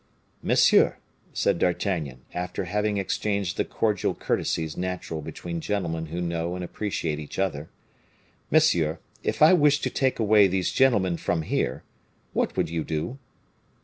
"Monsieur," said D'Artagnan, after having exchanged the cordial courtesies natural between gentlemen who know and appreciate each other, "monsieur, if I wished to take away these gentlemen from here, what would you do?"